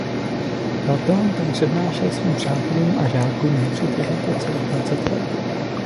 Platón tam přednášel svým přátelům a žákům nepřetržitě celých dvacet let.